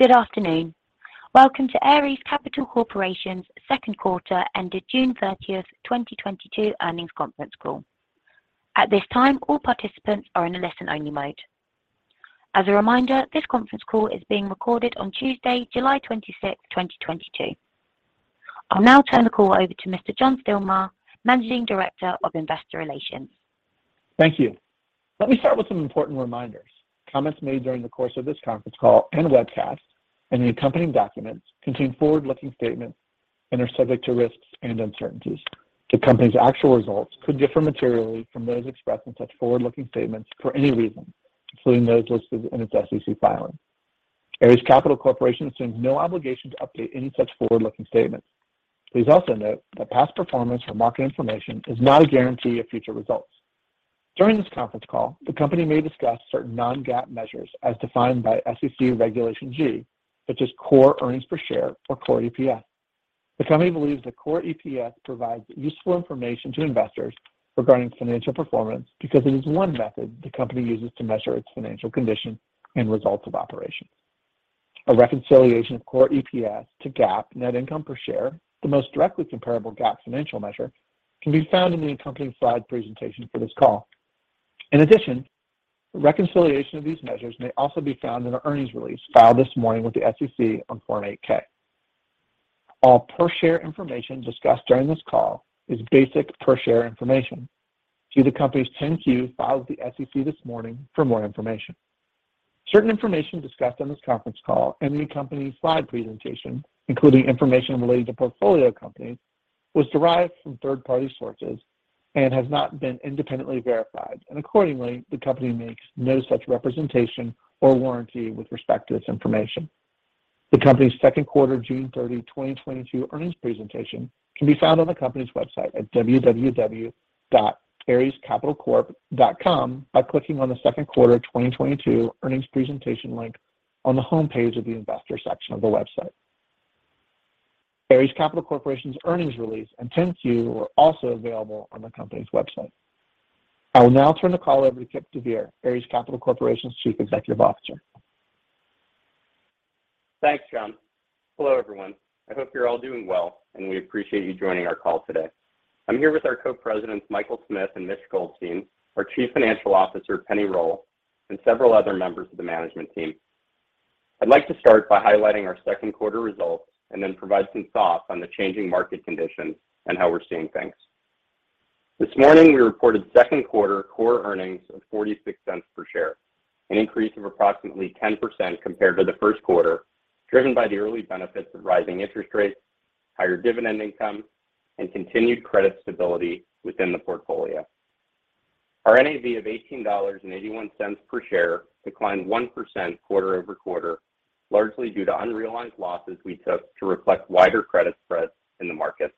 Good afternoon. Welcome to Ares Capital Corporation's second quarter ended June 30th, 2022 earnings conference call. At this time, all participants are in a listen-only mode. As a reminder, this conference call is being recorded on Tuesday, July 26, 2022. I'll now turn the call over to Mr. John Stilmar, Managing Director of Investor Relations. Thank you. Let me start with some important reminders. Comments made during the course of this conference call and webcast and the accompanying documents contain forward-looking statements and are subject to risks and uncertainties. The company's actual results could differ materially from those expressed in such forward-looking statements for any reason, including those listed in its SEC filing. Ares Capital Corporation assumes no obligation to update any such forward-looking statements. Please also note that past performance or market information is not a guarantee of future results. During this conference call, the company may discuss certain non-GAAP measures as defined by SEC Regulation G, such as core earnings per share or core EPS. The company believes that core EPS provides useful information to investors regarding financial performance because it is one method the company uses to measure its financial condition and results of operation. A reconciliation of core EPS to GAAP net income per share, the most directly comparable GAAP financial measure, can be found in the accompanying slide presentation for this call. In addition, a reconciliation of these measures may also be found in the earnings release filed this morning with the SEC on Form 8-K. All per share information discussed during this call is basic per share information. See the company's 10-Q filed with the SEC this morning for more information. Certain information discussed on this conference call and the accompanying slide presentation, including information related to portfolio companies, was derived from third-party sources and has not been independently verified, and accordingly, the company makes no such representation or warranty with respect to this information. The company's second quarter, June 30, 2022, earnings presentation can be found on the company's website at www.arescapitalcorp.com by clicking on the second quarter 2022 earnings presentation link on the homepage of the investor section of the website. Ares Capital Corporation's earnings release and 10-Q are also available on the company's website. I will now turn the call over to Kipp deVeer, Ares Capital Corporation's Chief Executive Officer. Thanks, John. Hello, everyone. I hope you're all doing well, and we appreciate you joining our call today. I'm here with our Co-Presidents, Michael Smith and Mitchell Goldstein, our Chief Financial Officer, Penni Roll, and several other members of the management team. I'd like to start by highlighting our second quarter results and then provide some thoughts on the changing market conditions and how we're seeing things. This morning, we reported second quarter core earnings of $0.46 per share, an increase of approximately 10% compared to the first quarter, driven by the early benefits of rising interest rates, higher dividend income, and continued credit stability within the portfolio. Our NAV of $18.81 per share declined 1% quarter-over-quarter, largely due to unrealized losses we took to reflect wider credit spreads in the markets.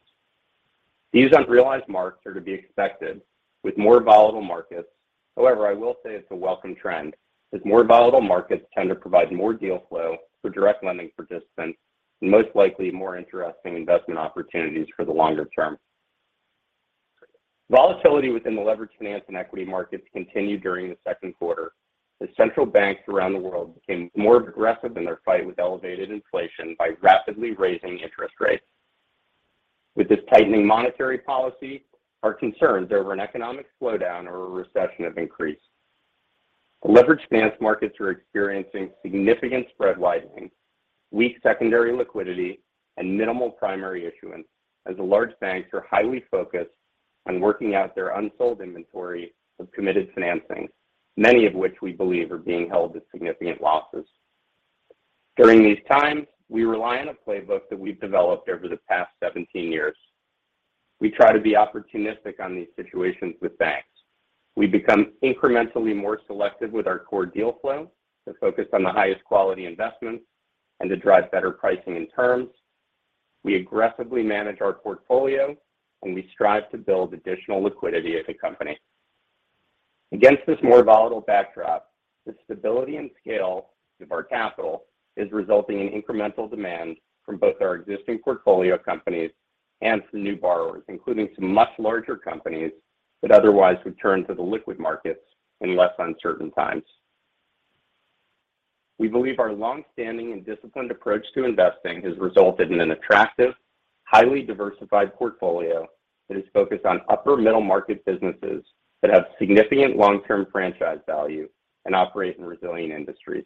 These unrealized marks are to be expected with more volatile markets. However, I will say it's a welcome trend, as more volatile markets tend to provide more deal flow for direct lending participants and most likely more interesting investment opportunities for the longer term. Volatility within the leveraged finance and equity markets continued during the second quarter as central banks around the world became more aggressive in their fight with elevated inflation by rapidly raising interest rates. With this tightening monetary policy, our concerns over an economic slowdown or a recession have increased. The leveraged finance markets are experiencing significant spread widening, weak secondary liquidity, and minimal primary issuance as the large banks are highly focused on working out their unsold inventory of committed financing, many of which we believe are being held at significant losses. During these times, we rely on a playbook that we've developed over the past 17 years. We try to be opportunistic on these situations with banks. We become incrementally more selective with our core deal flow to focus on the highest quality investments and to drive better pricing and terms. We aggressively manage our portfolio, and we strive to build additional liquidity at the company. Against this more volatile backdrop, the stability and scale of our capital is resulting in incremental demand from both our existing portfolio companies and some new borrowers, including some much larger companies that otherwise would turn to the liquid markets in less uncertain times. We believe our long-standing and disciplined approach to investing has resulted in an attractive, highly diversified portfolio that is focused on upper middle market businesses that have significant long-term franchise value and operate in resilient industries.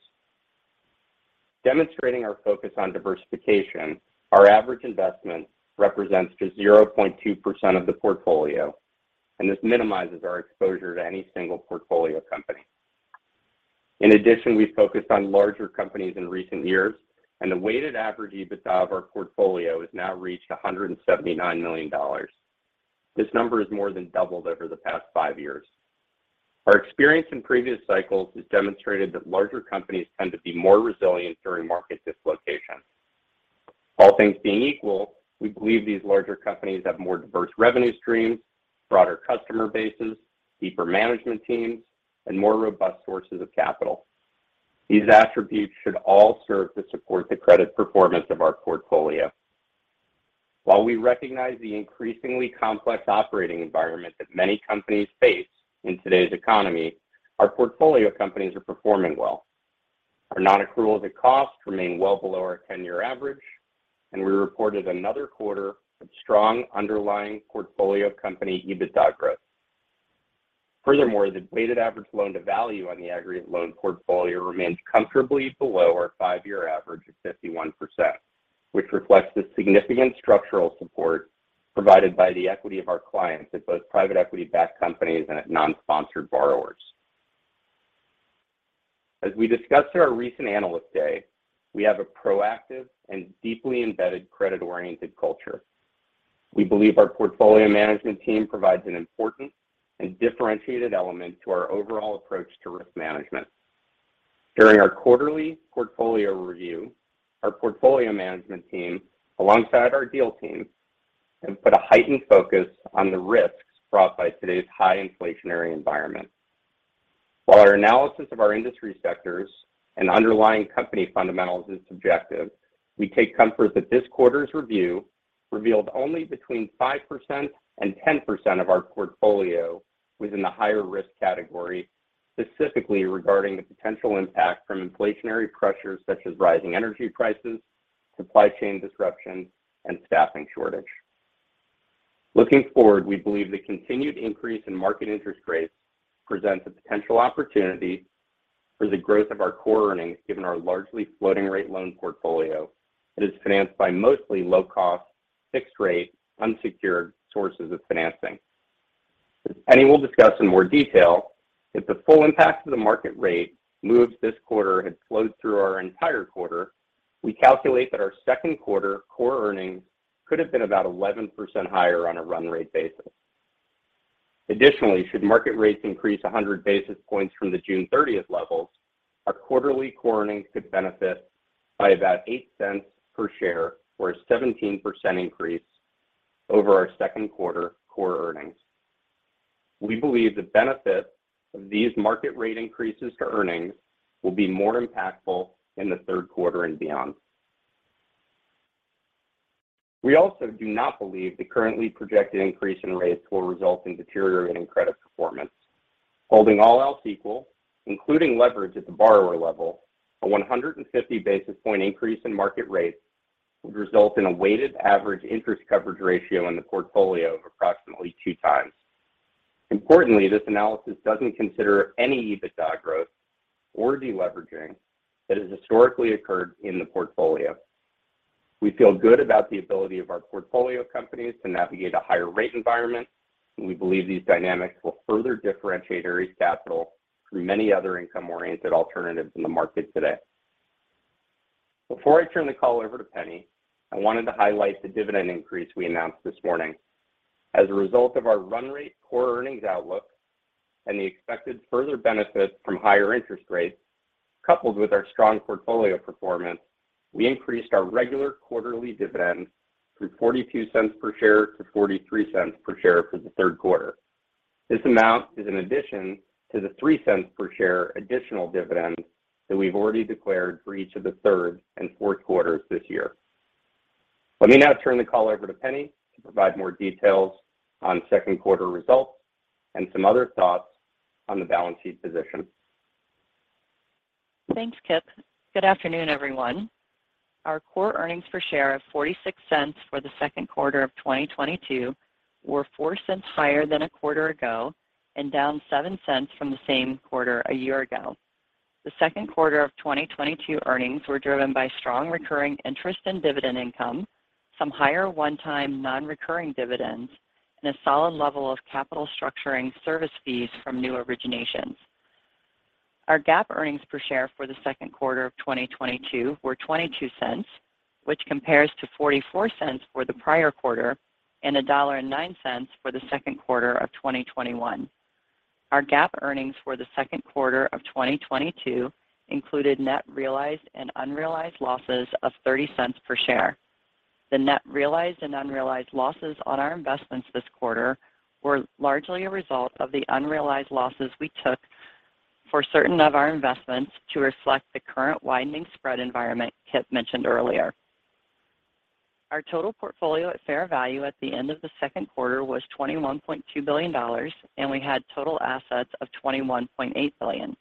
Demonstrating our focus on diversification, our average investment represents just 0.2% of the portfolio, and this minimizes our exposure to any single portfolio company. In addition, we've focused on larger companies in recent years, and the weighted average EBITDA of our portfolio has now reached $179 million. This number has more than doubled over the past five years. Our experience in previous cycles has demonstrated that larger companies tend to be more resilient during market dislocation. All things being equal, we believe these larger companies have more diverse revenue streams, broader customer bases, deeper management teams, and more robust sources of capital. These attributes should all serve to support the credit performance of our portfolio. While we recognize the increasingly complex operating environment that many companies face in today's economy, our portfolio companies are performing well. Our non-accruals at cost remain well below our 10-year average, and we reported another quarter of strong underlying portfolio company EBITDA growth. Furthermore, the weighted average loan to value on the aggregate loan portfolio remains comfortably below our five year average of 51%, which reflects the significant structural support provided by the equity of our clients at both private equity-backed companies and at non-sponsored borrowers. As we discussed at our recent Analyst Day, we have a proactive and deeply embedded credit-oriented culture. We believe our portfolio management team provides an important and differentiated element to our overall approach to risk management. During our quarterly portfolio review, our portfolio management team, alongside our deal team, have put a heightened focus on the risks brought by today's high inflationary environment. While our analysis of our industry sectors and underlying company fundamentals is subjective, we take comfort that this quarter's review revealed only between 5% and 10% of our portfolio was in the higher risk category, specifically regarding the potential impact from inflationary pressures such as rising energy prices, supply chain disruptions, and staffing shortage. Looking forward, we believe the continued increase in market interest rates presents a potential opportunity for the growth of our core earnings, given our largely floating rate loan portfolio that is financed by mostly low-cost, fixed-rate, unsecured sources of financing. As Penni will discuss in more detail, if the full impact of the market rate moves this quarter had flowed through our entire quarter, we calculate that our second quarter core earnings could have been about 11% higher on a run rate basis. Additionally, should market rates increase 100 basis points from the June 30th levels, our quarterly core earnings could benefit by about $0.08 per share or a 17% increase over our second quarter core earnings. We believe the benefit of these market rate increases to earnings will be more impactful in the third quarter and beyond. We also do not believe the currently projected increase in rates will result in deteriorating credit performance. Holding all else equal, including leverage at the borrower level, a 150 basis point increase in market rates would result in a weighted average interest coverage ratio in the portfolio of approximately 2x. Importantly, this analysis doesn't consider any EBITDA growth or deleveraging that has historically occurred in the portfolio. We feel good about the ability of our portfolio companies to navigate a higher rate environment, and we believe these dynamics will further differentiate Ares Capital from many other income-oriented alternatives in the market today. Before I turn the call over to Penni, I wanted to highlight the dividend increase we announced this morning. As a result of our run rate core earnings outlook and the expected further benefit from higher interest rates, coupled with our strong portfolio performance, we increased our regular quarterly dividend from $0.42 per share to $0.43 per share for the third quarter. This amount is in addition to the $0.03 per share additional dividend that we've already declared for each of the third and fourth quarters this year. Let me now turn the call over to Penni to provide more details on second quarter results and some other thoughts on the balance sheet position. Thanks, Kipp. Good afternoon, everyone. Our core earnings per share of $0.46 for the second quarter of 2022 were $0.04 higher than a quarter ago and down $0.07 from the same quarter a year ago. The second quarter of 2022 earnings were driven by strong recurring interest and dividend income, some higher one-time non-recurring dividends, and a solid level of capital structuring service fees from new originations. Our GAAP earnings per share for the second quarter of 2022 were $0.22, which compares to $0.44 for the prior quarter and $1.09 for the second quarter of 2021. Our GAAP earnings for the second quarter of 2022 included net realized and unrealized losses of $0.30 per share. The net realized and unrealized losses on our investments this quarter were largely a result of the unrealized losses we took for certain of our investments to reflect the current widening spread environment Kipp mentioned earlier. Our total portfolio at fair value at the end of the second quarter was $21.2 billion, and we had total assets of $21.8 billion.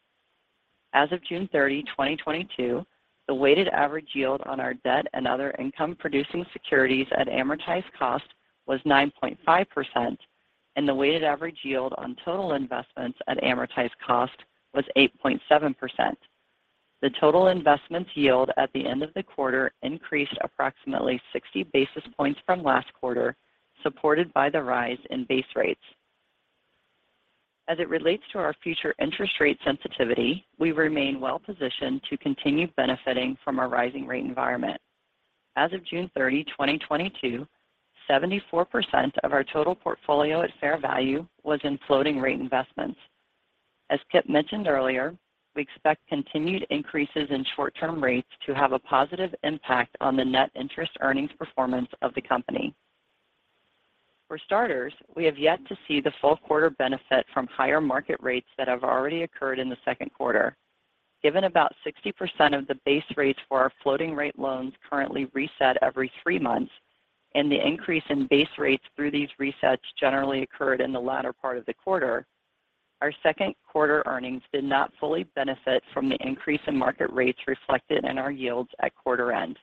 As of June 30, 2022, the weighted average yield on our debt and other income-producing securities at amortized cost was 9.5%, and the weighted average yield on total investments at amortized cost was 8.7%. The total investments yield at the end of the quarter increased approximately 60 basis points from last quarter, supported by the rise in base rates. As it relates to our future interest rate sensitivity, we remain well-positioned to continue benefiting from a rising rate environment. As of June 30, 2022, 74% of our total portfolio at fair value was in floating rate investments. As Kipp mentioned earlier, we expect continued increases in short-term rates to have a positive impact on the net interest earnings performance of the company. For starters, we have yet to see the full quarter benefit from higher market rates that have already occurred in the second quarter. Given about 60% of the base rates for our floating rate loans currently reset every three months and the increase in base rates through these resets generally occurred in the latter part of the quarter, our second quarter earnings did not fully benefit from the increase in market rates reflected in our yields at quarter end.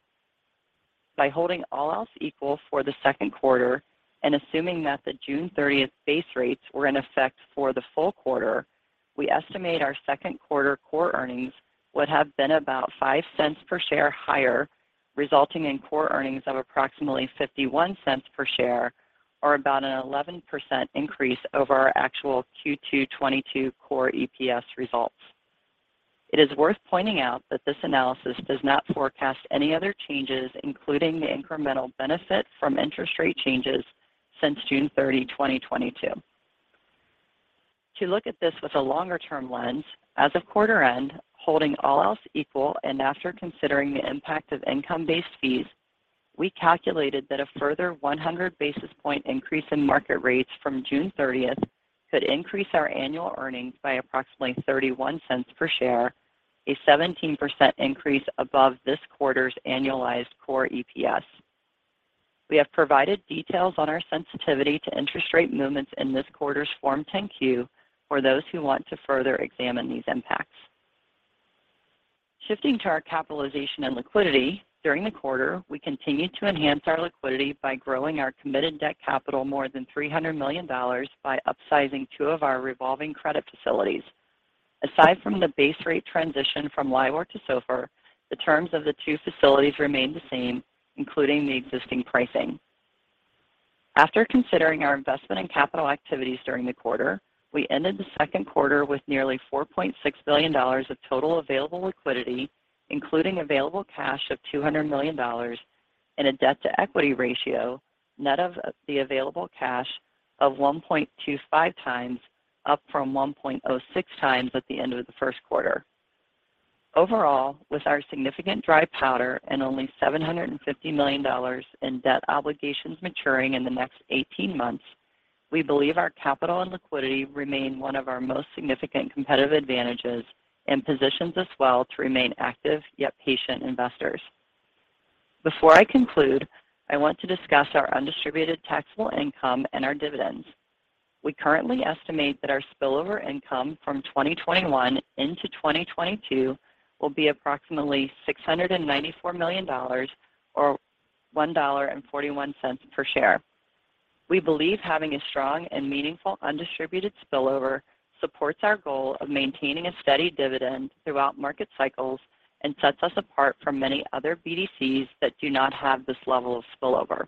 By holding all else equal for the second quarter and assuming that the June 30 base rates were in effect for the full quarter, we estimate our second quarter core earnings would have been about $0.05 per share higher, resulting in core earnings of approximately $0.51 per share or about an 11% increase over our actual Q2 2022 core EPS results. It is worth pointing out that this analysis does not forecast any other changes, including the incremental benefit from interest rate changes since June 30, 2022. To look at this with a longer-term lens, as of quarter end, holding all else equal and after considering the impact of income-based fees, we calculated that a further 100 basis point increase in market rates from June 30th could increase our annual earnings by approximately $0.31 per share, a 17% increase above this quarter's annualized core EPS. We have provided details on our sensitivity to interest rate movements in this quarter's Form 10-Q for those who want to further examine these impacts. Shifting to our capitalization and liquidity, during the quarter, we continued to enhance our liquidity by growing our committed debt capital more than $300 million by upsizing two of our revolving credit facilities. Aside from the base rate transition from LIBOR to SOFR, the terms of the two facilities remained the same, including the existing pricing. After considering our investment in capital activities during the quarter, we ended the second quarter with nearly $4.6 billion of total available liquidity, including available cash of $200 million and a debt-to-equity ratio net of the available cash of 1.25x, up from 1.06x at the end of the first quarter. Overall, with our significant dry powder and only $750 million in debt obligations maturing in the next eighteen months, we believe our capital and liquidity remain one of our most significant competitive advantages and positions us well to remain active, yet patient investors. Before I conclude, I want to discuss our undistributed taxable income and our dividends. We currently estimate that our spillover income from 2021 into 2022 will be approximately $694 million or $1.41 per share. We believe having a strong and meaningful undistributed spillover supports our goal of maintaining a steady dividend throughout market cycles and sets us apart from many other BDCs that do not have this level of spillover.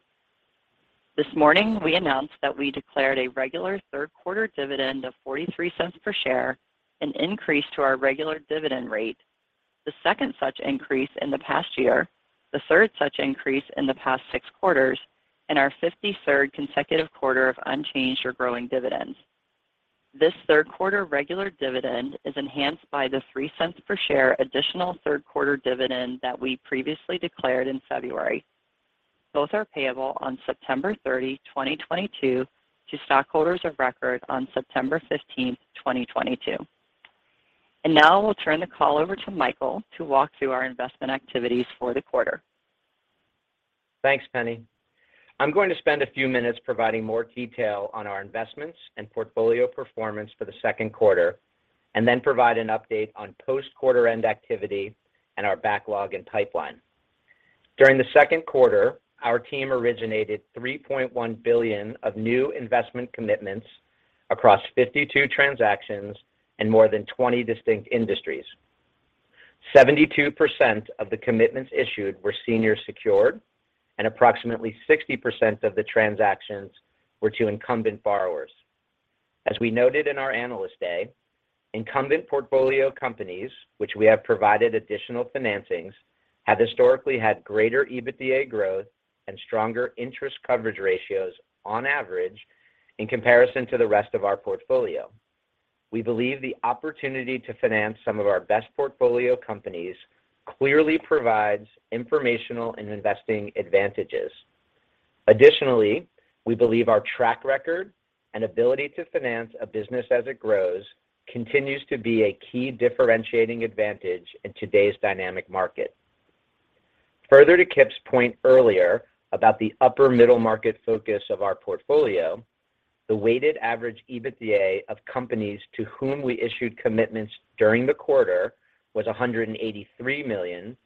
This morning, we announced that we declared a regular third quarter dividend of $0.43 per share, an increase to our regular dividend rate. The second such increase in the past year, the third such increase in the past six quarters, and our 53rd consecutive quarter of unchanged or growing dividends. This third quarter regular dividend is enhanced by the $0.03 per share additional third quarter dividend that we previously declared in February. Both are payable on September 30, 2022 to stockholders of record on September 15, 2022. Now I will turn the call over to Michael to walk through our investment activities for the quarter. Thanks, Penni. I'm going to spend a few minutes providing more detail on our investments and portfolio performance for the second quarter, and then provide an update on post-quarter end activity and our backlog and pipeline. During the second quarter, our team originated $3.1 billion of new investment commitments across 52 transactions and more than 20 distinct industries. 72% of the commitments issued were senior secured, and approximately 60% of the transactions were to incumbent borrowers. As we noted in our Analyst Day, incumbent portfolio companies, which we have provided additional financings, have historically had greater EBITDA growth and stronger interest coverage ratios on average in comparison to the rest of our portfolio. We believe the opportunity to finance some of our best portfolio companies clearly provides informational and investing advantages. Additionally, we believe our track record and ability to finance a business as it grows continues to be a key differentiating advantage in today's dynamic market. Further to Kipp's point earlier about the upper middle market focus of our portfolio, the weighted average EBITDA of companies to whom we issued commitments during the quarter was $183 million,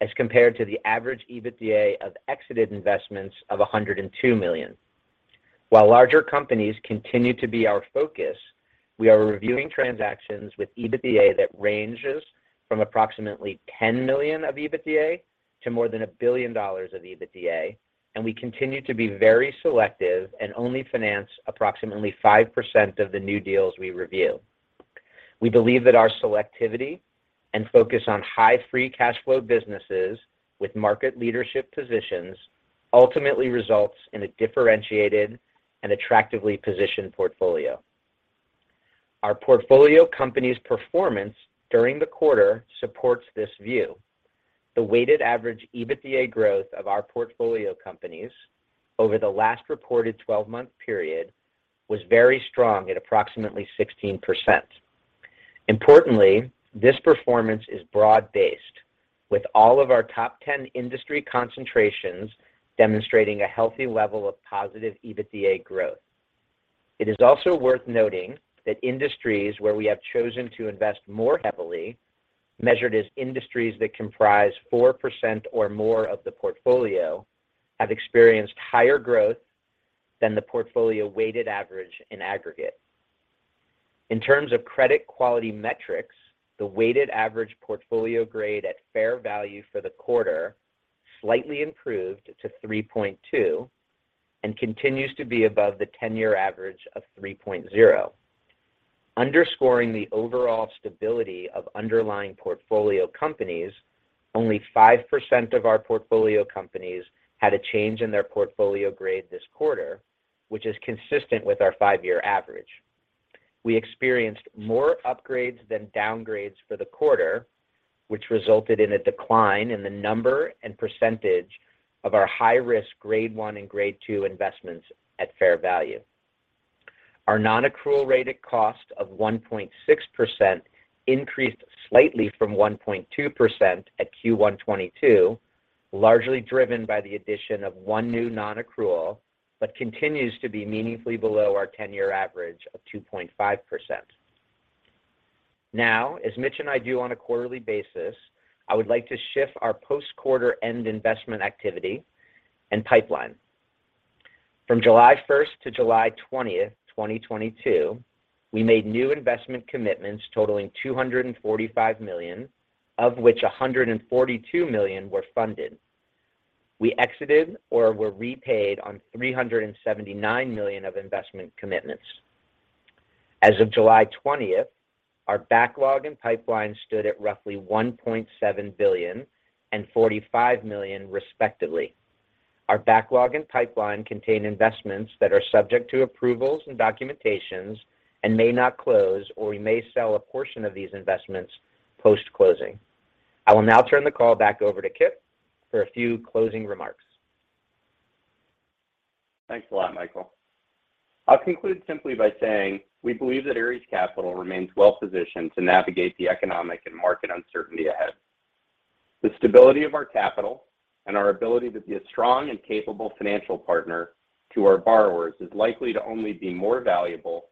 as compared to the average EBITDA of exited investments of $102 million. While larger companies continue to be our focus, we are reviewing transactions with EBITDA that ranges from approximately $10 million of EBITDA to more than $1 billion of EBITDA, and we continue to be very selective and only finance approximately 5% of the new deals we review. We believe that our selectivity and focus on high free cash flow businesses with market leadership positions ultimately results in a differentiated and attractively positioned portfolio. Our portfolio company's performance during the quarter supports this view. The weighted average EBITDA growth of our portfolio companies over the last reported 12-month period was very strong at approximately 16%. Importantly, this performance is broad-based with all of our top 10 industry concentrations demonstrating a healthy level of positive EBITDA growth. It is also worth noting that industries where we have chosen to invest more heavily, measured as industries that comprise 4% or more of the portfolio, have experienced higher growth than the portfolio weighted average in aggregate. In terms of credit quality metrics, the weighted average portfolio grade at fair value for the quarter slightly improved to 3.2 and continues to be above the ten-year average of 3.0. Underscoring the overall stability of underlying portfolio companies, only 5% of our portfolio companies had a change in their portfolio grade this quarter, which is consistent with our five-year average. We experienced more upgrades than downgrades for the quarter, which resulted in a decline in the number and percentage of our high-risk grade one and grade two investments at fair value. Our non-accrual rate at cost of 1.6% increased slightly from 1.2% at Q1 2022, largely driven by the addition of one new non-accrual, but continues to be meaningfully below our ten-year average of 2.5%. Now, as Mitch and I do on a quarterly basis, I would like to shift our post-quarter end investment activity and pipeline. From July 1st to July 20th, 2022, we made new investment commitments totaling $245 million, of which $142 million were funded. We exited or were repaid on $379 million of investment commitments. As of July 20th, our backlog and pipeline stood at roughly $1.7 billion and $45 million respectively. Our backlog and pipeline contain investments that are subject to approvals and documentations and may not close, or we may sell a portion of these investments post-closing. I will now turn the call back over to Kipp for a few closing remarks. Thanks a lot, Michael. I'll conclude simply by saying we believe that Ares Capital remains well positioned to navigate the economic and market uncertainty ahead. The stability of our capital and our ability to be a strong and capable financial partner to our borrowers is likely to only be more valuable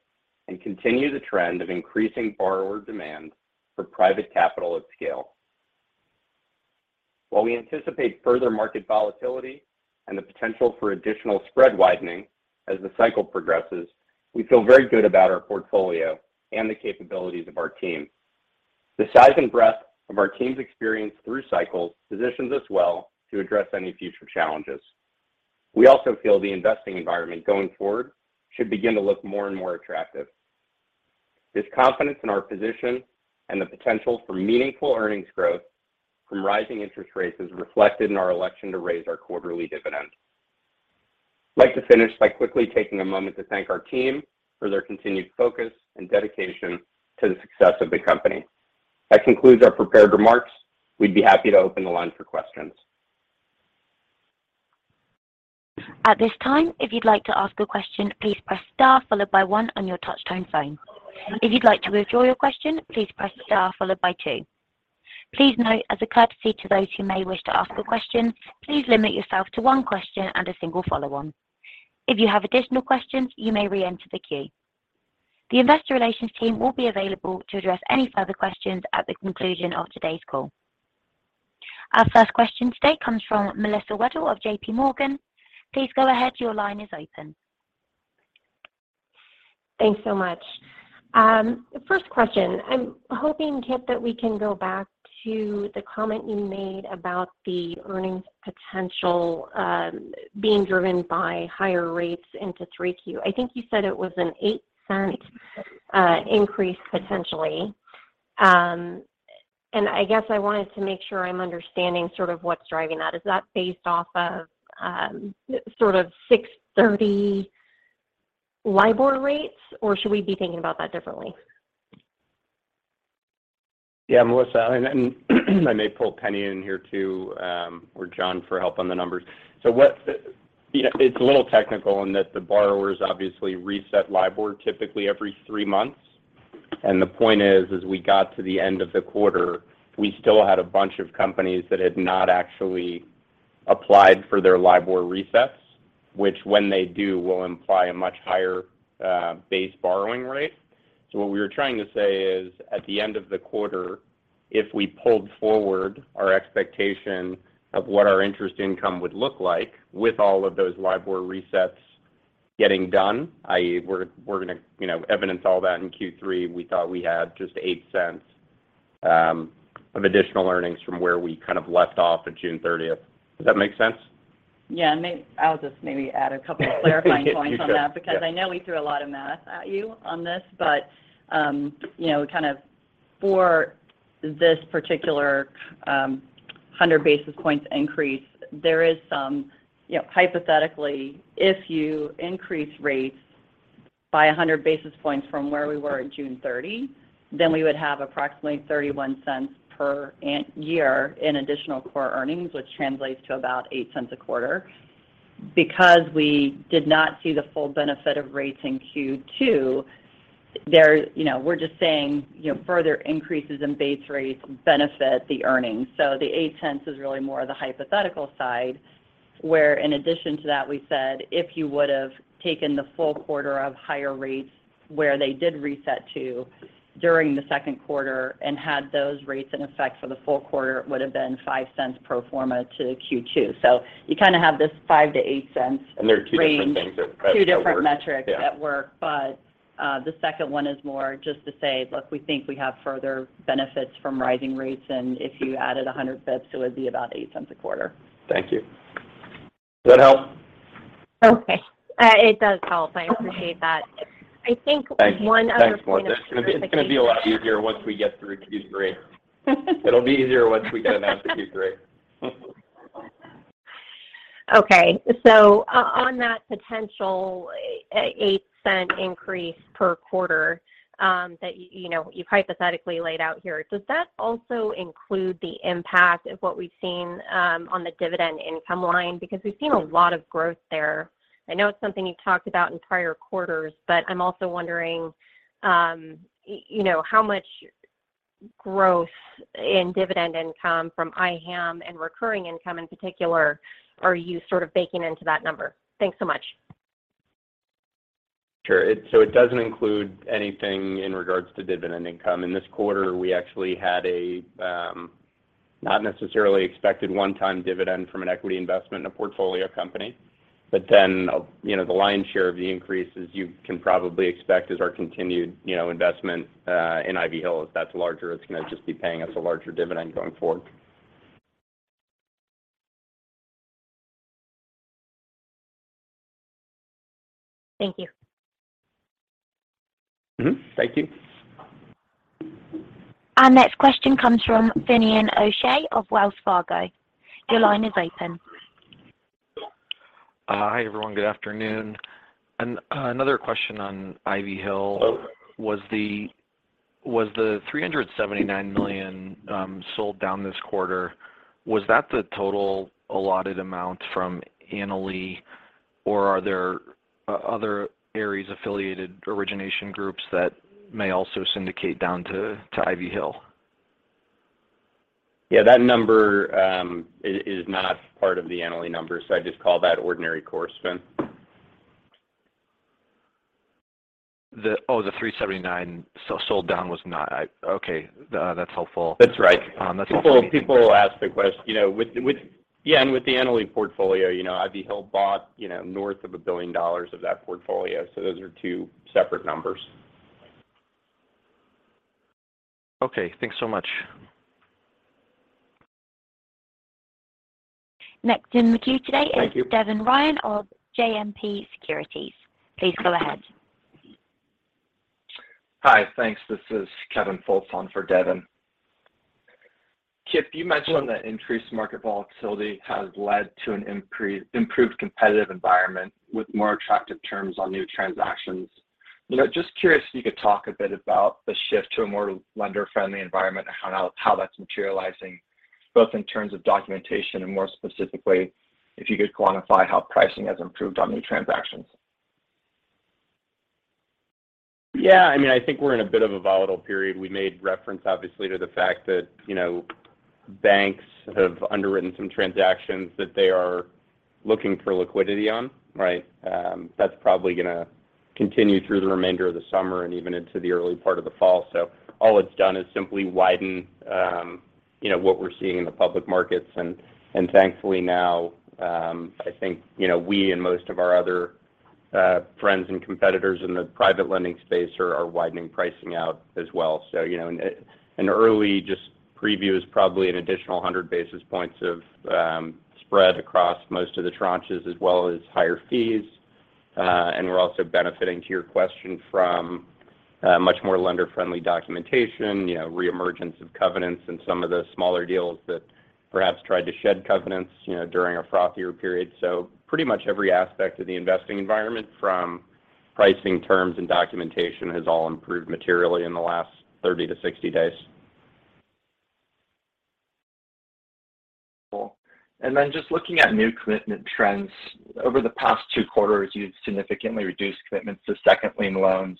and continue the trend of increasing borrower demand for private capital at scale. While we anticipate further market volatility and the potential for additional spread widening as the cycle progresses, we feel very good about our portfolio and the capabilities of our team. The size and breadth of our team's experience through cycles positions us well to address any future challenges. We also feel the investing environment going forward should begin to look more and more attractive. This confidence in our position and the potential for meaningful earnings growth from rising interest rates is reflected in our election to raise our quarterly dividend. I'd like to finish by quickly taking a moment to thank our team for their continued focus and dedication to the success of the company. That concludes our prepared remarks. We'd be happy to open the line for questions. At this time, if you'd like to ask a question, please press star followed by one on your touch-tone phone. If you'd like to withdraw your question, please press star followed by two. Please note, as a courtesy to those who may wish to ask a question, please limit yourself to one question and a single follow-on. If you have additional questions, you may re-enter the queue. The investor relations team will be available to address any further questions at the conclusion of today's call. Our first question today comes from Melissa Wedel of JPMorgan. Please go ahead. Your line is open. Thanks so much. First question. I'm hoping, Kipp, that we can go back to the comment you made about the earnings potential, being driven by higher rates into 3Q. I think you said it was a $0.08 increase potentially. I guess I wanted to make sure I'm understanding sort of what's driving that. Is that based off of, sort of 6.30 LIBOR rates, or should we be thinking about that differently? Yeah, Melissa. I may pull Penny in here too, or John for help on the numbers. It's a little technical in that the borrowers obviously reset LIBOR typically every three months. The point is, as we got to the end of the quarter, we still had a bunch of companies that had not actually applied for their LIBOR resets, which when they do, will imply a much higher base borrowing rate. What we were trying to say is, at the end of the quarter, if we pulled forward our expectation of what our interest income would look like with all of those LIBOR resets getting done, i.e., we're gonna, you know, evidence all that in Q3, we thought we had just $0.08 of additional earnings from where we kind of left off at June 30th. Does that make sense? I'll just maybe add a couple of clarifying points on that because I know we threw a lot of math at you on this. But, you know, kind of for this particular 100 basis points increase, there is some, you know, hypothetically, if you increase rates by 100 basis points from where we were in June 30, then we would have approximately $0.31 per annum in additional core earnings, which translates to about $0.08 a quarter. Because we did not see the full benefit of rates in Q2, you know, we're just saying, you know, further increases in base rates benefit the earnings. The eight cents is really more of the hypothetical side, where in addition to that, we said, if you would have taken the full quarter of higher rates where they did reset to during the second quarter and had those rates in effect for the full quarter, it would have been $0.05 pro forma to Q2. You kinda have this $0.05-$0.08 range. There are two different things at play and at work. Two different metrics at work, the second one is more just to say, look, we think we have further benefits from rising rates, and if you added 100 basis points, it would be about $0.08 a quarter. Thank you. Does that help? Okay. It does help. I appreciate that. I think one of the things that Thank you. Thanks, Melissa. It's gonna be a lot easier once we get through Q3. It'll be easier once we announce Q3. Okay. On that potential $0.08 increase per quarter, you know, you've hypothetically laid out here, does that also include the impact of what we've seen on the dividend income line? Because we've seen a lot of growth there. I know it's something you talked about in prior quarters, but I'm also wondering, you know, how much growth in dividend income from IHAM and recurring income in particular are you sort of baking into that number? Thanks so much. Sure. It doesn't include anything in regards to dividend income. In this quarter, we actually had a not necessarily expected one-time dividend from an equity investment in a portfolio company. You know, the lion's share of the increase, as you can probably expect, is our continued, you know, investment in Ivy Hill. If that's larger, it's gonna just be paying us a larger dividend going forward. Thank you. Thank you. Our next question comes from Finian O'Shea of Wells Fargo. Your line is open. Hi, everyone. Good afternoon. Another question on Ivy Hill. Was the $379 million sold down this quarter, was that the total allotted amount from Annaly, or are there other areas affiliated origination groups that may also syndicate down to Ivy Hill? Yeah, that number is not part of the Annaly number, so I just call that ordinary course, Fin. Oh, the 3.79 sold down was not. Okay. That's helpful. That's right. That's helpful. Thank you. You know, with the Annaly portfolio, you know, Ivy Hill bought, you know, north of $1 billion of that portfolio. So those are two separate numbers. Okay. Thanks so much. Next in the queue today. Thank you. Devin Ryan of JMP Securities. Please go ahead. Hi. Thanks. This is Kevin Fultz for Devin. Kip, you mentioned that increased market volatility has led to an improved competitive environment with more attractive terms on new transactions. You know, just curious if you could talk a bit about the shift to a more lender-friendly environment and how that's materializing, both in terms of documentation and more specifically, if you could quantify how pricing has improved on new transactions. Yeah. I mean, I think we're in a bit of a volatile period. We made reference, obviously, to the fact that, you know, banks have underwritten some transactions that they are looking for liquidity on, right? That's probably gonna continue through the remainder of the summer and even into the early part of the fall. All it's done is simply widen, you know, what we're seeing in the public markets. Thankfully now, I think, you know, we and most of our other friends and competitors in the private lending space are widening pricing out as well. You know, an early just preview is probably an additional 100 basis points of spread across most of the tranches as well as higher fees. We're also benefiting, to your question, from much more lender-friendly documentation, you know, reemergence of covenants in some of the smaller deals that perhaps tried to shed covenants, you know, during a frothier period. Pretty much every aspect of the investing environment from pricing terms and documentation has all improved materially in the last 30-60 days. Cool. Just looking at new commitment trends. Over the past two quarters, you've significantly reduced commitments to second lien loans.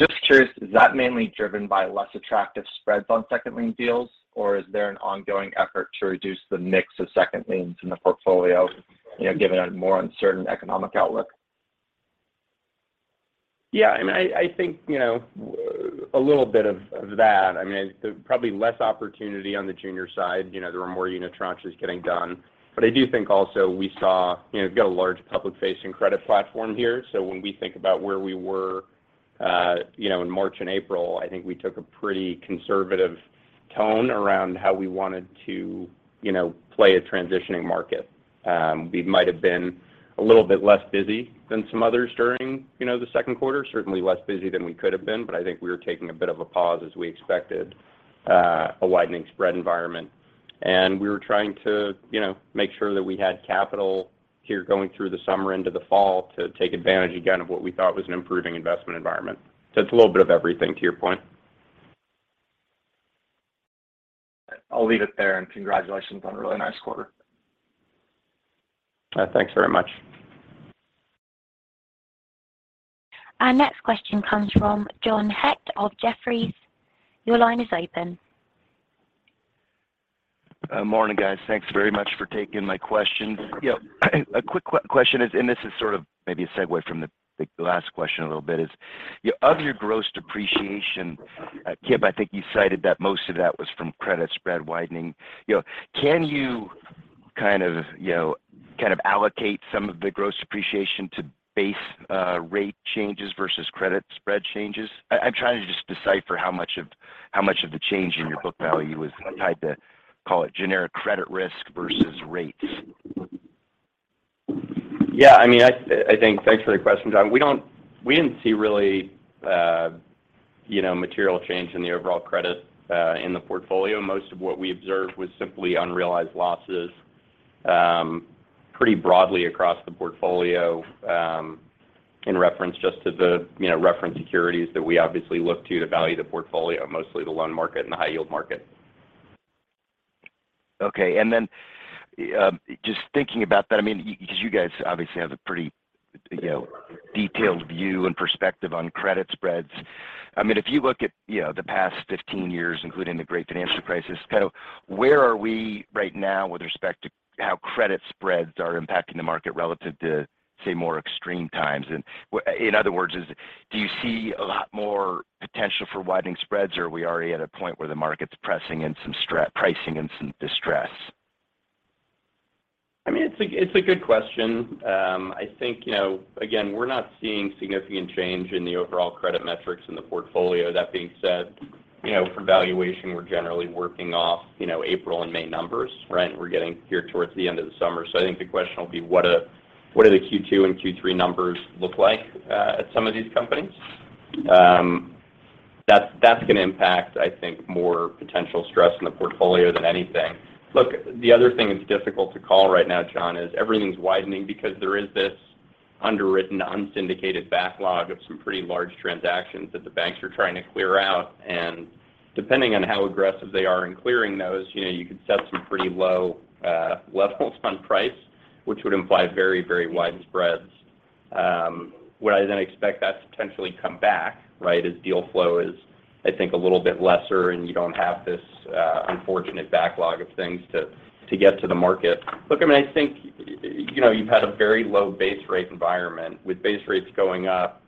Just curious, is that mainly driven by less attractive spreads on second lien deals, or is there an ongoing effort to reduce the mix of second liens in the portfolio, you know, given a more uncertain economic outlook? Yeah. I mean, I think, you know, a little bit of that. I mean, there's probably less opportunity on the junior side. You know, there were more unit tranches getting done. I do think also we saw. You know, we've got a large public-facing credit platform here. So when we think about where we were, you know, in March and April, I think we took a pretty conservative tone around how we wanted to, you know, play a transitioning market. We might have been a little bit less busy than some others during, you know, the second quarter. Certainly less busy than we could have been. I think we were taking a bit of a pause as we expected, a widening spread environment. We were trying to, you know, make sure that we had capital here going through the summer into the fall to take advantage again of what we thought was an improving investment environment. It's a little bit of everything, to your point. I'll leave it there, and congratulations on a really nice quarter. Thanks very much. Our next question comes from John Hecht of Jefferies. Your line is open. Morning, guys. Thanks very much for taking my questions. You know, a quick question is, and this is sort of maybe a segue from the, like, the last question a little bit, is, you know, of your gross depreciation, Kipp, I think you cited that most of that was from credit spread widening. You know, can you kind of, you know, kind of allocate some of the gross appreciation to base rate changes versus credit spread changes? I'm trying to just decipher how much of, how much of the change in your book value was tied to, call it, generic credit risk versus rates. Yeah. I mean, I think. Thanks for the question, John. We didn't see really, you know, material change in the overall credit, in the portfolio. Most of what we observed was simply unrealized losses, pretty broadly across the portfolio, in reference just to the, you know, reference securities that we obviously look to to value the portfolio, mostly the loan market and the high yield market. Okay. Just thinking about that, I mean, because you guys obviously have a pretty, you know, detailed view and perspective on credit spreads. I mean, if you look at, you know, the past 15 years, including the great financial crisis, kind of where are we right now with respect to how credit spreads are impacting the market relative to, say, more extreme times? In other words, do you see a lot more potential for widening spreads, or are we already at a point where the market's pricing in some distress? I mean, it's a good question. I think, you know, again, we're not seeing significant change in the overall credit metrics in the portfolio. That being said, you know, for valuation, we're generally working off, you know, April and May numbers, right? We're getting here towards the end of the summer. I think the question will be what do the Q2 and Q3 numbers look like at some of these companies? That's gonna impact, I think, more potential stress in the portfolio than anything. Look, the other thing that's difficult to call right now, John, is everything's widening because there is this underwritten, unsyndicated backlog of some pretty large transactions that the banks are trying to clear out. Depending on how aggressive they are in clearing those, you know, you could set some pretty low levels on price, which would imply very, very widened spreads. What I then expect that to potentially come back, right, is deal flow. I think a little bit lesser, and you don't have this unfortunate backlog of things to get to the market. Look, I mean, I think, you know, you've had a very low base rate environment. With base rates going up,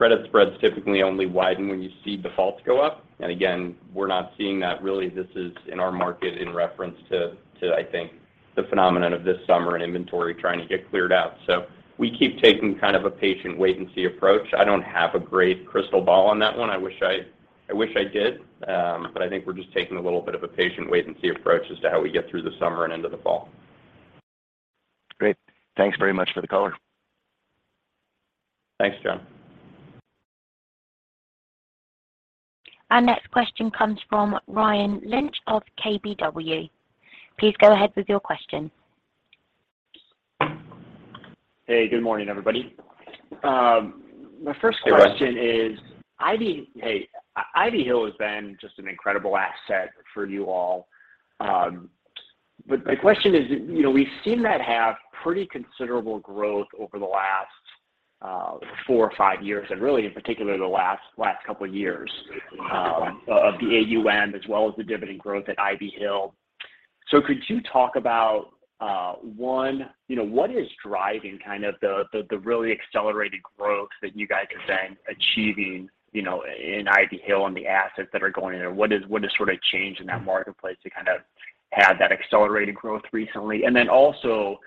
credit spreads typically only widen when you see defaults go up. Again, we're not seeing that really. This is in our market in reference to, I think, the phenomenon of this summer and inventory trying to get cleared out. We keep taking kind of a patient wait-and-see approach. I don't have a great crystal ball on that one. I wish I did. But I think we're just taking a little bit of a patient wait-and-see approach as to how we get through the summer and into the fall. Great. Thanks very much for the color. Thanks, John. Our next question comes from Ryan Lynch of KBW. Please go ahead with your question. Hey, good morning, everybody. My first question. Hey, Ryan. Ivy Hill has been just an incredible asset for you all. But my question is, you know, we've seen that have pretty considerable growth over the last four or five years and really in particular the last couple years of the AUM as well as the dividend growth at Ivy Hill. Could you talk about, you know, what is driving kind of the really accelerated growth that you guys have been achieving, you know, in Ivy Hill and the assets that are going in there? What has sort of changed in that marketplace to kind of have that accelerated growth recently? Then also,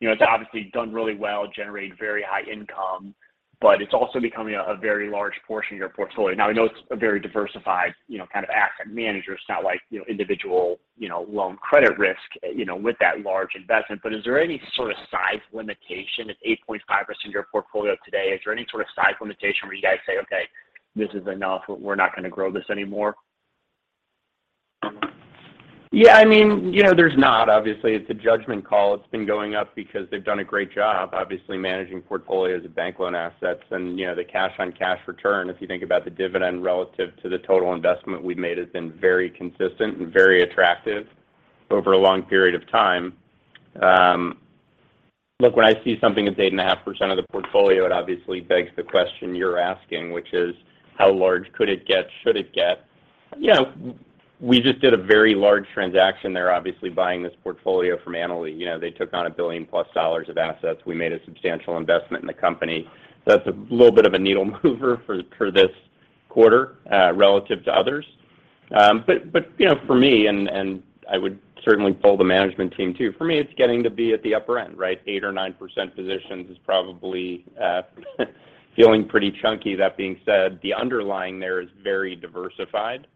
you know, it's obviously done really well, generated very high income, but it's also becoming a very large portion of your portfolio. Now I know it's a very diversified, you know, kind of asset manager. It's not like, you know, individual, you know, loan credit risk, you know, with that large investment. Is there any sort of size limitation? It's 8.5% of your portfolio today. Is there any sort of size limitation where you guys say, "Okay, this is enough. We're not gonna grow this anymore"? I mean, you know, there's not, obviously. It's a judgment call. It's been going up because they've done a great job, obviously, managing portfolios of bank loan assets. You know, the cash-on-cash return, if you think about the dividend relative to the total investment we've made, has been very consistent and very attractive over a long period of time. Look, when I see something that's 8.5% of the portfolio, it obviously begs the question you're asking, which is how large could it get, should it get? You know, we just did a very large transaction there, obviously buying this portfolio from Annaly. You know, they took on $1 billion+ of assets. We made a substantial investment in the company. That's a little bit of a needle mover for this quarter relative to others. You know, for me, I would certainly poll the management team too. For me, it's getting to be at the upper end, right? 8% or 9% positions is probably feeling pretty chunky. That being said, the underlying there is very diversified,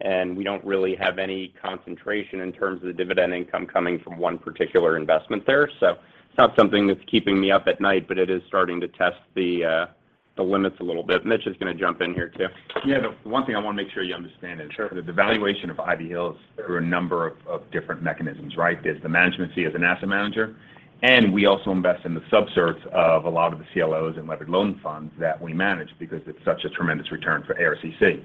and we don't really have any concentration in terms of the dividend income coming from one particular investment there. It's not something that's keeping me up at night. It is starting to test the limits a little bit. Mitch is gonna jump in here too. Yeah. The one thing I wanna make sure you understand is. Sure. The valuation of Ivy Hill is through a number of different mechanisms, right? There's the management fee as an asset manager, and we also invest in the subs of a lot of the CLOs and leveraged loan funds that we manage because it's such a tremendous return for ARCC.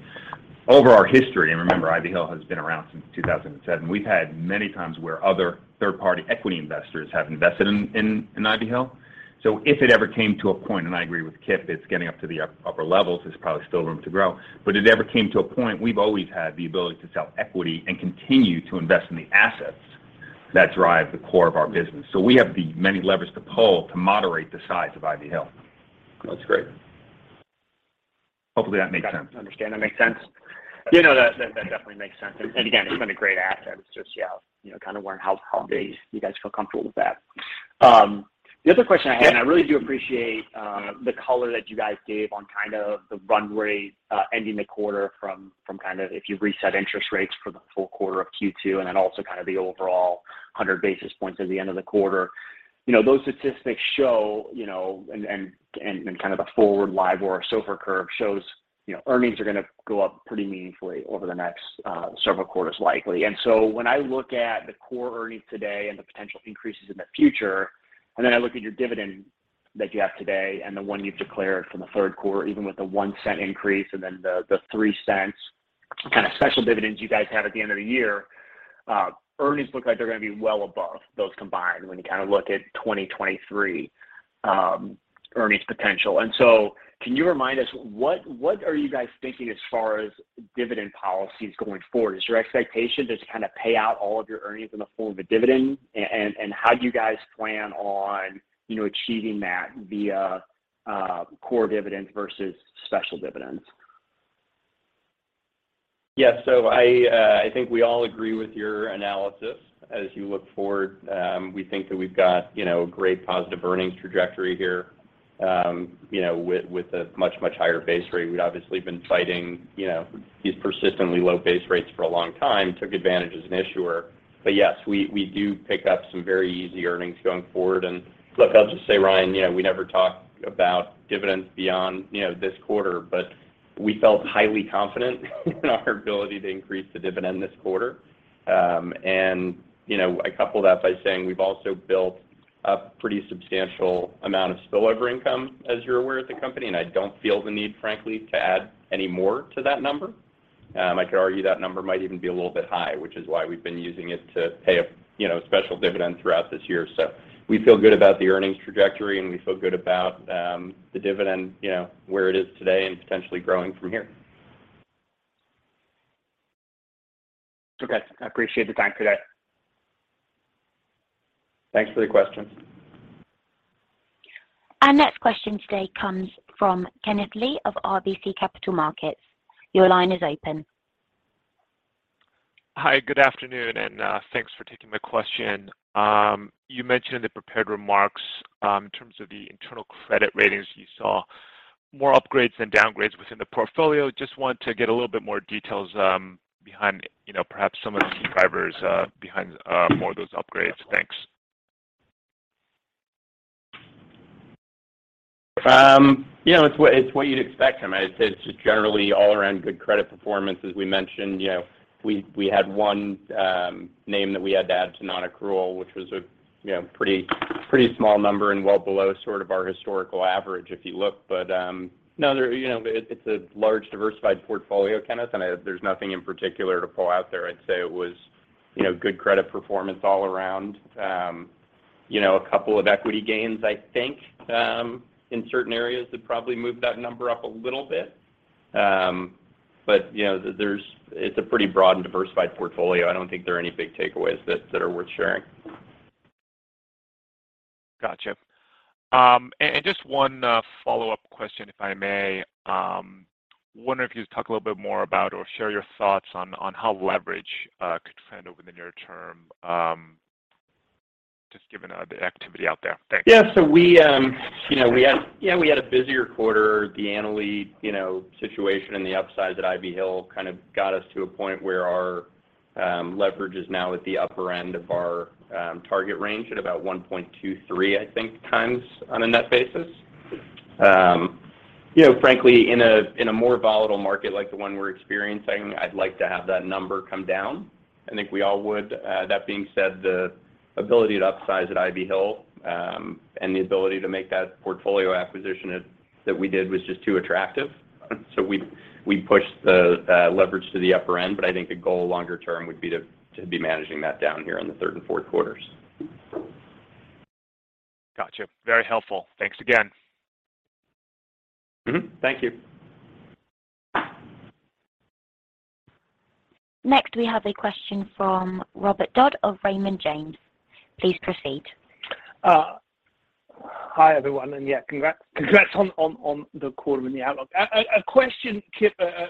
Over our history, and remember Ivy Hill has been around since 2007, we've had many times where other third-party equity investors have invested in Ivy Hill. If it ever came to a point, and I agree with Kip, it's getting up to the upper levels. There's probably still room to grow. If it ever came to a point, we've always had the ability to sell equity and continue to invest in the assets that drive the core of our business. We have the many levers to pull to moderate the size of Ivy Hill. That's great. Hopefully that makes sense. Understood. That makes sense. You know, that definitely makes sense. Again, it's been a great asset. It's just, yeah, you know, kinda wondering how big you guys feel comfortable with that. The other question I had, and I really do appreciate the color that you guys gave on kind of the run rate ending the quarter from kind of if you reset interest rates for the full quarter of Q2 and then also kind of the overall 100 basis points at the end of the quarter. You know, those statistics show, you know, and kind of the forward LIBOR or SOFR curve shows, you know, earnings are gonna go up pretty meaningfully over the next several quarters likely. When I look at the core earnings today and the potential increases in the future, and then I look at your dividend that you have today and the one you've declared for the third quarter, even with the $0.01 increase and then the $0.03 kinda special dividends you guys have at the end of the year, earnings look like they're gonna be well above those combined when you kinda look at 2023 earnings potential. Can you remind us what are you guys thinking as far as dividend policies going forward? Is your expectation to just kinda pay out all of your earnings in the form of a dividend? And how do you guys plan on, you know, achieving that via core dividends versus special dividends? Yeah. I think we all agree with your analysis. As you look forward, we think that we've got, you know, a great positive earnings trajectory here, you know, with a much higher base rate. We've obviously been fighting, you know, these persistently low base rates for a long time, took advantage as an issuer. But yes, we do pick up some very easy earnings going forward. Look, I'll just say, Ryan, you know, we never talk about dividends beyond, you know, this quarter, but we felt highly confident in our ability to increase the dividend this quarter. And, you know, I couple that with saying we've also built a pretty substantial amount of spillover income, as you're aware, at the company, and I don't feel the need, frankly, to add any more to that number. I could argue that number might even be a little bit high, which is why we've been using it to pay a, you know, special dividend throughout this year. We feel good about the earnings trajectory, and we feel good about the dividend, you know, where it is today and potentially growing from here. Okay. I appreciate the time today. Thanks for the question. Our next question today comes from Kenneth Lee of RBC Capital Markets. Your line is open. Hi. Good afternoon, and thanks for taking my question. You mentioned in the prepared remarks, in terms of the internal credit ratings you saw more upgrades than downgrades within the portfolio. Just want to get a little bit more details behind, you know, perhaps some of the key drivers behind more of those upgrades. Thanks. You know, it's what you'd expect. I mean, it's just generally all around good credit performance. As we mentioned, you know, we had one name that we had to add to non-accrual, which was a pretty small number and well below sort of our historical average if you look. No, you know, it's a large diversified portfolio, Kenneth, and there's nothing in particular to pull out there. I'd say it was, you know, good credit performance all around. You know, a couple of equity gains I think, in certain areas that probably moved that number up a little bit. You know, it's a pretty broad and diversified portfolio. I don't think there are any big takeaways that are worth sharing. Gotcha. Just one follow-up question, if I may. Wondering if you could talk a little bit more about or share your thoughts on how leverage could trend over the near term, just given the activity out there. Thanks. Yeah. We, you know, had a busier quarter. The Annaly, you know, situation and the upside at Ivy Hill kind of got us to a point where our leverage is now at the upper end of our target range at about 1.23, I think, times on a net basis. You know, frankly, in a more volatile market like the one we're experiencing, I'd like to have that number come down. I think we all would. That being said, the ability to upsize at Ivy Hill and the ability to make that portfolio acquisition that we did was just too attractive. So we pushed the leverage to the upper end, but I think the goal longer term would be to be managing that down here in the third and fourth quarters. Gotcha. Very helpful. Thanks again. Mm-hmm. Thank you. Next, we have a question from Robert Dodd of Raymond James. Please proceed. Hi, everyone. Yeah, congrats on the quarter and the outlook. A question,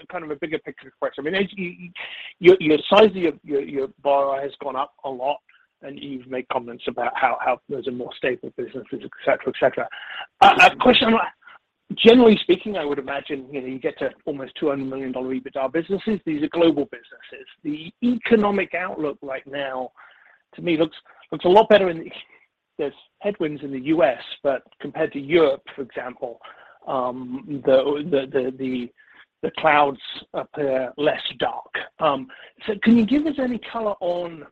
kind of a bigger picture question. I mean, as you, your size of your borrower has gone up a lot, and you've made comments about how those are more stable businesses, et cetera. A question I-generally speaking, I would imagine, you know, you get to almost $200 million EBITDA businesses. These are global businesses. The economic outlook right now to me looks a lot better in the U.S. there's headwinds in the U.S., but compared to Europe, for example, the clouds appear less dark. So can you give us any color on,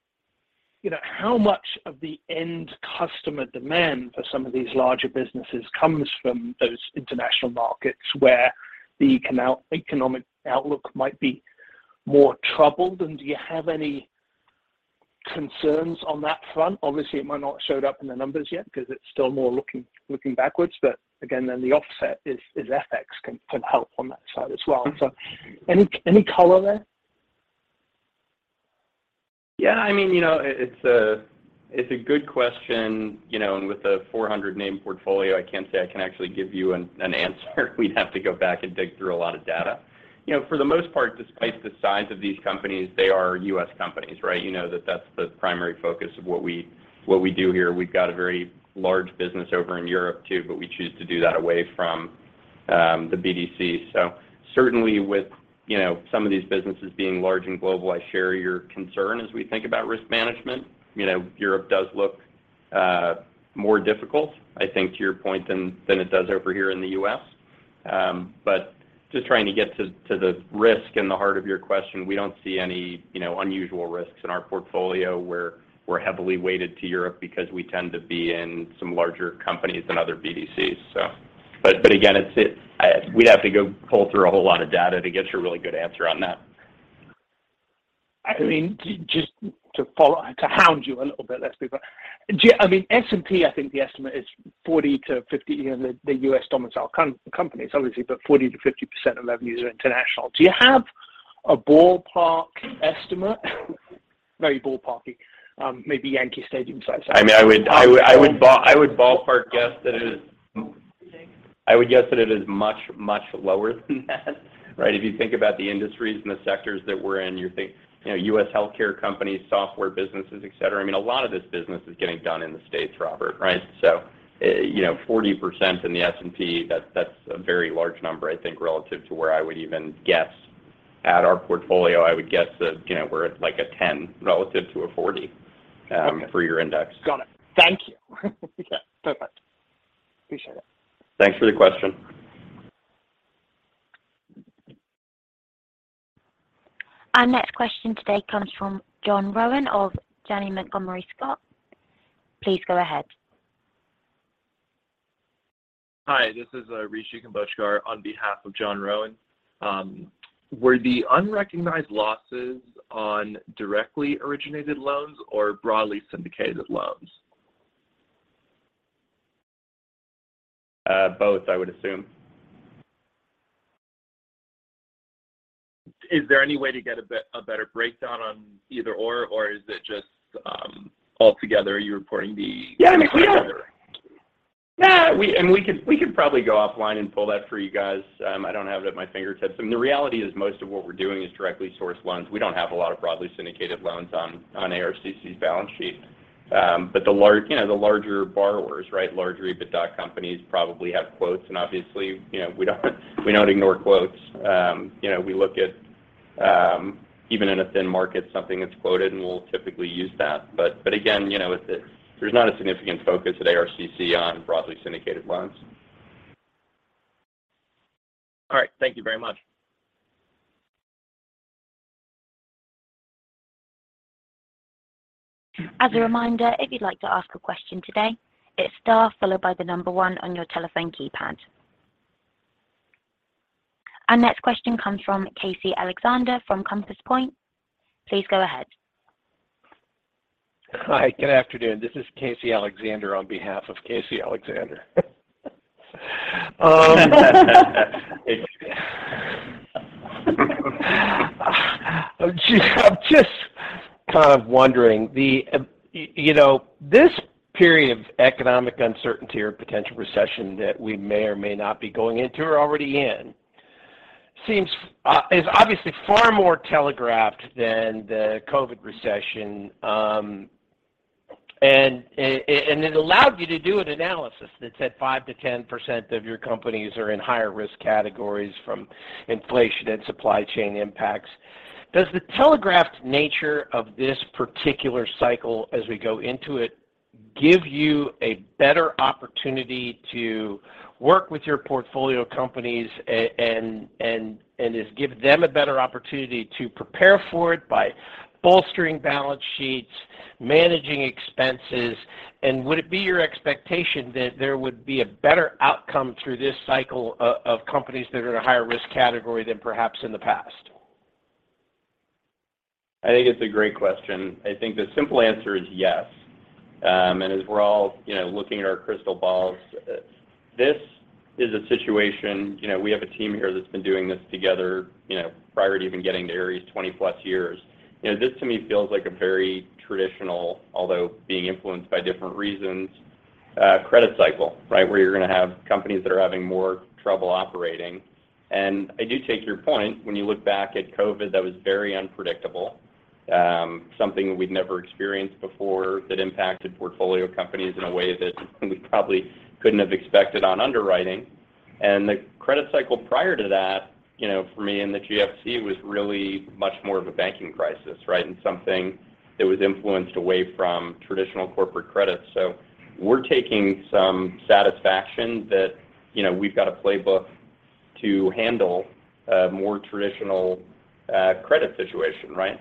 you know, how much of the end customer demand for some of these larger businesses comes from those international markets where the economic outlook might be more troubled? And do you have any concerns on that front? Obviously, it might not have showed up in the numbers yet because it's still more looking backwards, but again, then the offset is FX can help on that side as well. Any color there? Yeah, I mean, you know, it's a good question, you know, and with the 400-name portfolio, I can't say I can actually give you an answer. We'd have to go back and dig through a lot of data. You know, for the most part, despite the size of these companies, they are U.S. companies, right? You know, that's the primary focus of what we do here. We've got a very large business over in Europe too, but we choose to do that away from the BDC. So certainly with, you know, some of these businesses being large and global, I share your concern as we think about risk management. You know, Europe does look more difficult, I think to your point, than it does over here in the U.S. Just trying to get to the risk in the heart of your question, we don't see any, you know, unusual risks in our portfolio. We're heavily weighted to Europe because we tend to be in some larger companies than other BDCs, so. Again, it's, we'd have to go pull through a whole lot of data to get you a really good answer on that. I mean, just to follow, to hound you a little bit less, but S&P, I think the estimate is 40-50. You know, the U.S. domiciled companies obviously, but 40%-50% of revenues are international. Do you have a ballpark estimate? Very ballparky. Maybe Yankee Stadium size. I mean, I would ballpark guess that it is much, much lower than that, right? If you think about the industries and the sectors that we're in, you think, you know, U.S. healthcare companies, software businesses, et cetera. I mean, a lot of this business is getting done in the States, Robert, right? You know, 40% in the S&P, that's a very large number I think relative to where I would even guess at our portfolio. I would guess that, you know, we're at like a 10 relative to a 40 for your index. Got it. Thank you. Yeah. Perfect. Appreciate it. Thanks for the question. Our next question today comes from John Rowan of Janney Montgomery Scott. Please go ahead. Hi, this is Rishi Kamboj on behalf of John Rowan. Were the unrecognized losses on directly originated loans or broadly syndicated loans? Both, I would assume. Is there any way to get a better breakdown on either or is it just all together you're reporting the- Yeah, I mean, we have. Total number? We could probably go offline and pull that for you guys. I don't have it at my fingertips. I mean, the reality is most of what we're doing is directly sourced loans. We don't have a lot of broadly syndicated loans on ARCC's balance sheet. But the large, you know, the larger borrowers, right? Large EBITDA companies probably have quotes and obviously, you know, we don't ignore quotes. You know, we look at even in a thin market, something that's quoted, and we'll typically use that. Again, you know, there's not a significant focus at ARCC on broadly syndicated loans. All right. Thank you very much. As a reminder, if you'd like to ask a question today, it's star followed by the number one on your telephone keypad. Our next question comes from Casey Alexander from Compass Point. Please go ahead. Hi, good afternoon. This is Casey Alexander on behalf of Casey Alexander. I'm just kind of wondering, you know, this period of economic uncertainty or potential recession that we may or may not be going into or already in is obviously far more telegraphed than the COVID recession, and it allowed you to do an analysis that said 5%-10% of your companies are in higher risk categories from inflation and supply chain impacts. Does the telegraphed nature of this particular cycle as we go into it give you a better opportunity to work with your portfolio companies and just give them a better opportunity to prepare for it by bolstering balance sheets, managing expenses? Would it be your expectation that there would be a better outcome through this cycle of companies that are in a higher risk category than perhaps in the past? I think it's a great question. I think the simple answer is yes. As we're all, you know, looking at our crystal balls, this is a situation, you know, we have a team here that's been doing this together, you know, prior to even getting to Ares 20+ years. You know, this to me feels like a very traditional, although being influenced by different reasons, credit cycle, right? Where you're gonna have companies that are having more trouble operating. I do take your point. When you look back at COVID, that was very unpredictable. Something we'd never experienced before that impacted portfolio companies in a way that we probably couldn't have expected on underwriting. The credit cycle prior to that, you know, for me in the GFC was really much more of a banking crisis, right? Something that was influenced away from traditional corporate credit. We're taking some satisfaction that, you know, we've got a playbook to handle a more traditional, credit situation, right?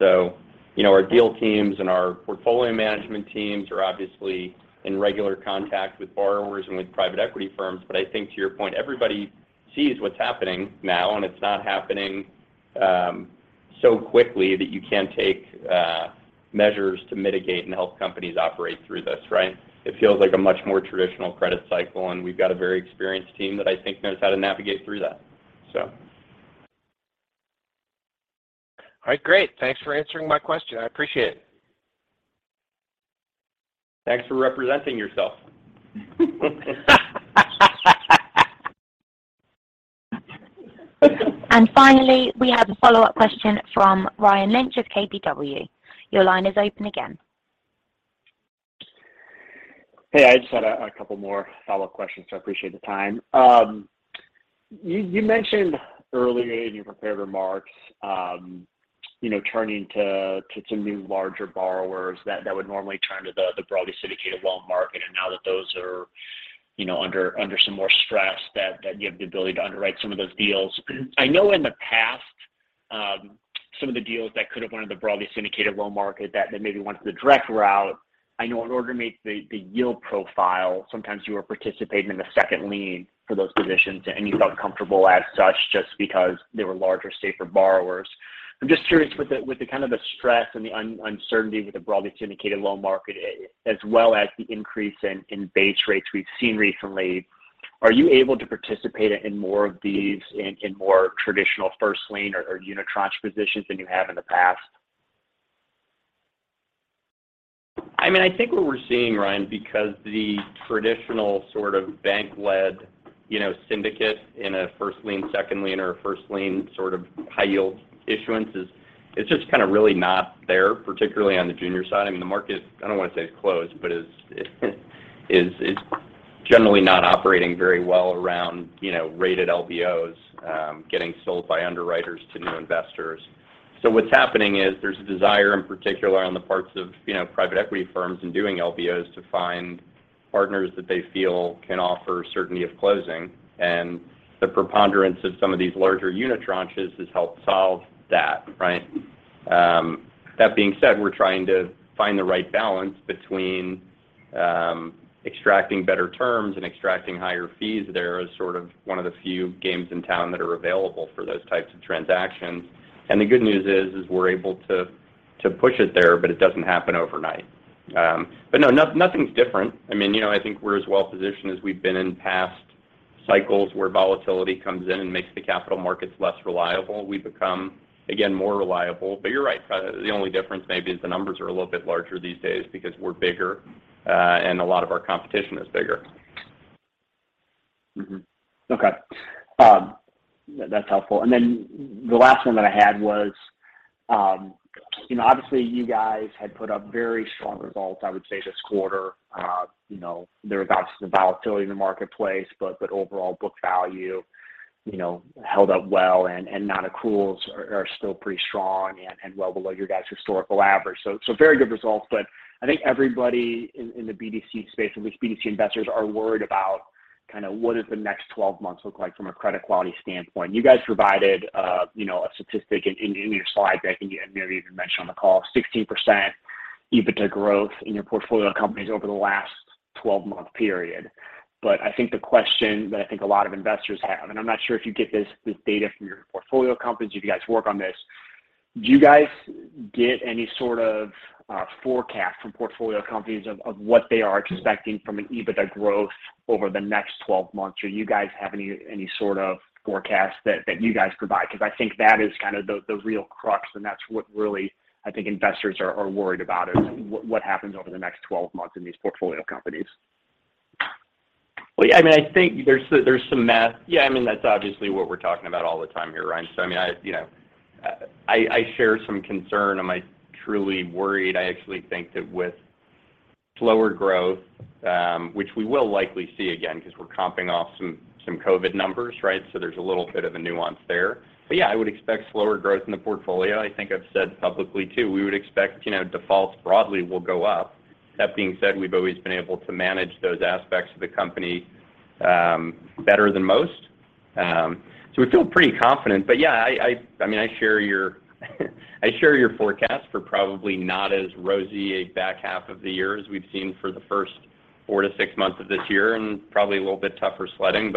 You know, our deal teams and our portfolio management teams are obviously in regular contact with borrowers and with private equity firms. I think to your point, everybody sees what's happening now, and it's not happening, so quickly that you can't take, measures to mitigate and help companies operate through this, right? It feels like a much more traditional credit cycle, and we've got a very experienced team that I think knows how to navigate through that. All right. Great. Thanks for answering my question. I appreciate it. Thanks for representing yourself. Finally, we have a follow-up question from Ryan Lynch of KBW. Your line is open again. Hey, I just had a couple more follow-up questions, so appreciate the time. You mentioned earlier in your prepared remarks, you know, turning to some new larger borrowers that would normally turn to the broadly syndicated loan market, and now that those are, you know, under some more stress that you have the ability to underwrite some of those deals. I know in the past, some of the deals that could have went to the broadly syndicated loan market that maybe went to the direct route. I know in order to meet the yield profile, sometimes you were participating in the second lien for those positions, and you felt comfortable as such just because they were larger, safer borrowers. I'm just curious with the kind of stress and the uncertainty with the broadly syndicated loan market, as well as the increase in base rates we've seen recently, are you able to participate in more of these in more traditional first lien or unitranche positions than you have in the past? I mean, I think what we're seeing, Ryan, because the traditional sort of bank-led, you know, syndicate in a first lien, second lien, or a first lien sort of high yield issuance is it's just kind of really not there, particularly on the junior side. I mean, the market, I don't want to say is closed, but is generally not operating very well around, you know, rated LBOs getting sold by underwriters to new investors. So what's happening is there's a desire, in particular on the parts of, you know, private equity firms in doing LBOs to find partners that they feel can offer certainty of closing. The preponderance of some of these larger unitranches has helped solve that, right? That being said, we're trying to find the right balance between extracting better terms and extracting higher fees. There is sort of one of the few games in town that are available for those types of transactions. The good news is we're able to push it there, but it doesn't happen overnight. No, nothing's different. I mean, you know, I think we're as well positioned as we've been in past cycles where volatility comes in and makes the capital markets less reliable. We become, again, more reliable. You're right. The only difference maybe is the numbers are a little bit larger these days because we're bigger, and a lot of our competition is bigger. Okay. That's helpful. Then the last one that I had was, you know, obviously you guys had put up very strong results, I would say this quarter. You know, there was obviously some volatility in the marketplace, but overall book value, you know, held up well and non-accruals are still pretty strong and well below your guys' historical average. Very good results. I think everybody in the BDC space, at least BDC investors are worried about kind of what does the next 12 months look like from a credit quality standpoint. You guys provided, you know, a statistic in your slides. I think you maybe even mentioned on the call, 16% EBITDA growth in your portfolio companies over the last 12-month period. I think the question that I think a lot of investors have, and I'm not sure if you get this data from your portfolio companies, if you guys work on this. Do you guys get any sort of forecast from portfolio companies of what they are expecting from an EBITDA growth over the next 12 months? Or you guys have any sort of forecast that you guys provide? Because I think that is kind of the real crux and that's what really I think investors are worried about is what happens over the next 12 months in these portfolio companies. Well, yeah, I mean, I think there's some math. Yeah, I mean, that's obviously what we're talking about all the time here, Ryan. I mean, you know, I share some concern. Am I truly worried? I actually think that with slower growth, which we will likely see again because we're comping off some COVID numbers, right? There's a little bit of a nuance there. Yeah, I would expect slower growth in the portfolio. I think I've said publicly too, we would expect, you know, defaults broadly will go up. That being said, we've always been able to manage those aspects of the company, better than most. We feel pretty confident. Yeah, I mean, I share your forecast for probably not as rosy a back half of the year as we've seen for the first four to six months of this year and probably a little bit tougher sledding.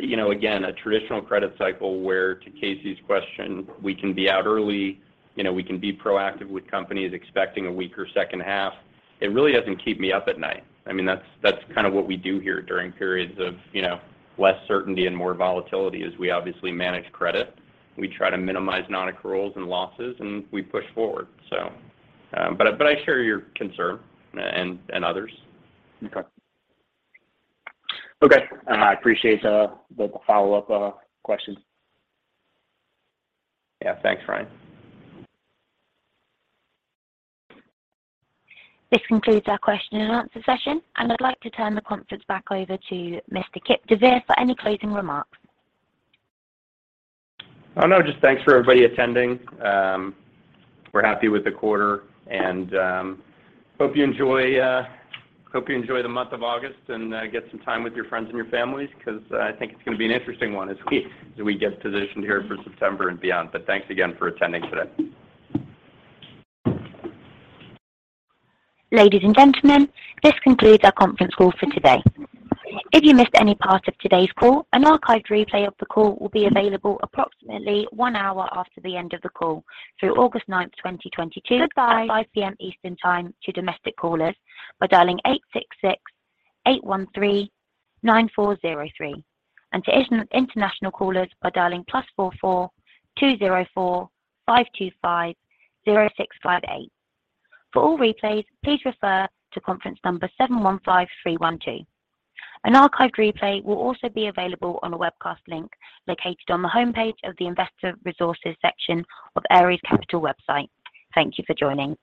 You know, again, a traditional credit cycle where to Casey's question, we can be out early. You know, we can be proactive with companies expecting a weaker second half. It really doesn't keep me up at night. I mean, that's kind of what we do here during periods of, you know, less certainty and more volatility is we obviously manage credit. We try to minimize non-accruals and losses, and we push forward. I share your concern, and others. Okay. I appreciate the follow-up question. Yeah. Thanks, Ryan. This concludes our question and answer session, and I'd like to turn the conference back over to Mr. Kipp deVeer for any closing remarks. Oh, no, just thanks for everybody attending. We're happy with the quarter and hope you enjoy the month of August and get some time with your friends and your families because I think it's gonna be an interesting one as we get positioned here for September and beyond. Thanks again for attending today. Ladies and gentlemen, this concludes our conference call for today. If you missed any part of today's call, an archived replay of the call will be available approximately one hour after the end of the call through August 9th, 2022 at 5 P.M. Eastern Time to domestic callers by dialing 866-813-94303 and to international callers by dialing +44 20 4525 0658. For all replays, please refer to conference number 715312. An archived replay will also be available on a webcast link located on the homepage of the Investor Resources section of Ares Capital website. Thank you for joining.